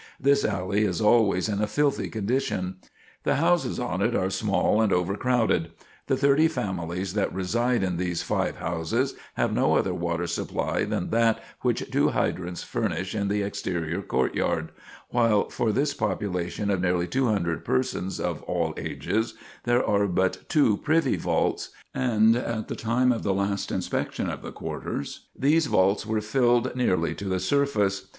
This alley is always in a filthy condition. The houses on it are small and overcrowded. The 30 families that reside in these five houses have no other water supply than that which two hydrants furnish in the exterior courtyard; while for this population of nearly 200 persons, of all ages, there are but two privy vaults, and, at the time of the last inspection of the quarters, these vaults were filled nearly to the surface.